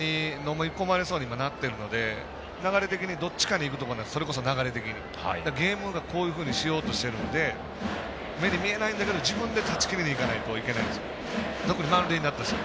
展開的にのみ込まれそうになってるので流れ的にどっちかに行きそうなところでゲームがこういうふうにしようとしているので目に見えないけど自分で断ち切りにいかないといけないです。